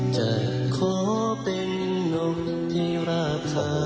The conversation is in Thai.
จะขอเป็นนกที่รับคลา